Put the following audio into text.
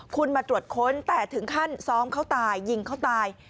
คุณมาตรวจค้นแต่ถึงขั้นซ้อมเขาตายยิงเขาตาย